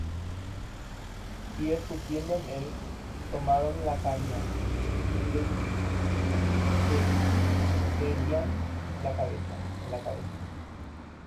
Y escupiendo en él, tomaron la caña, y le herían en la cabeza.